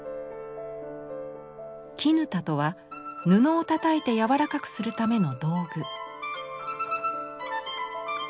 砧とは布をたたいて柔らかくするための道具。